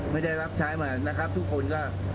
ไม่ได้รับใช้มานะครับทุกคนก็